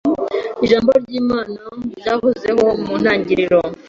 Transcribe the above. Ijambo ry'Imana byahozeho" mu ntangiriro